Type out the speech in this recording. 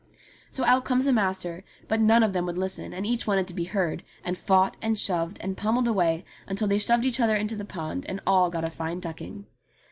So out comes the master, but none of them would listen, and each wanted to be heard, and fought, and shoved, and pommelled away until they shoved each other into the pond, and all got a fine ducking.